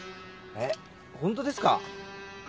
えっホントですか？